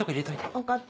分かった。